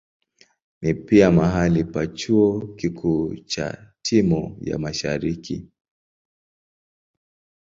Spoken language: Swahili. Ni pia mahali pa chuo kikuu cha Timor ya Mashariki.